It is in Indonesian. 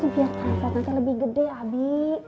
biar keangkatannya lebih gede abi